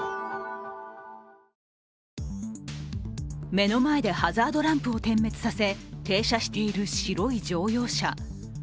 目の前でハザードランプを点滅させ停車している白い乗用車。